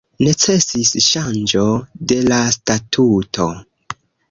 Necesis ŝanĝo de la statuto.